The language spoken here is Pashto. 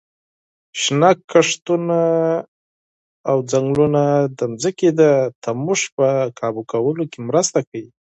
شنه کښتونه او ځنګلونه د ځمکې د تودوخې په کابو کولو کې مرسته کوي.